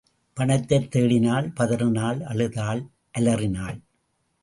பணத்தைத் தேடினாள், பதறினாள், அழுதாள், அலறினாள்.